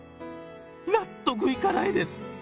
納得いかないです。